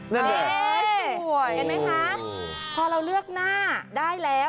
นี่เห็นไหมคะพอเราเลือกหน้าได้แล้ว